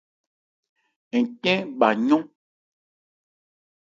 Ncɛ́n bha yɔ́n.